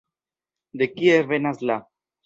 De kie venas la...